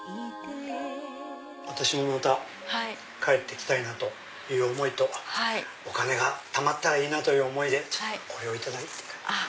私もまた帰ってきたいなという思いとお金がたまったらいいなという思いでこれを頂いて帰ります。